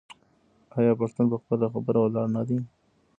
آیا پښتون په خپله خبره ولاړ نه دی؟